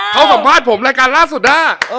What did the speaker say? เค้าสังฆาตผมรายการล่าสุดอ้ะ